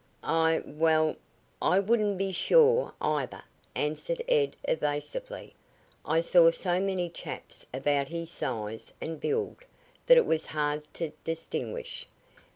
"I well, I wouldn't be sure, either," answered Ed evasively. "I saw so many chaps about his size and build that it was hard to distinguish.